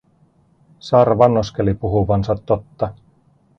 Saara vannoskeli puhuvansa totta.